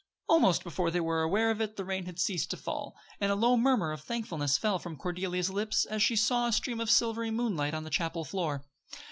Almost before they were aware of it the rain had ceased to fall, and a low murmur of thankfulness fell from Cordelia's lips as she saw a stream of silvery moonlight on the chapel floor.